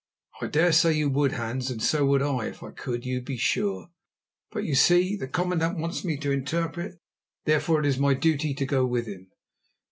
"I dare say you would, Hans; and so would I, if I could, you be sure. But, you see, the commandant wants me to interpret, and therefore it is my duty to go with him."